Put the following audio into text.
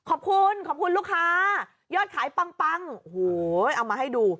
ขอบคุณขอบคุณลูกค้ายอดขายปังโอ้โหเอามาให้ดู